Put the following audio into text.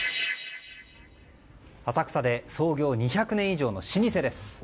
浅草で創業２００年以上の老舗です。